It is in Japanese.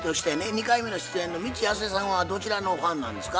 ２回目の出演の未知やすえさんはどちらのファンなんですか？